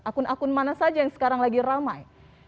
akun akun mana saja yang sekarang lagi ramai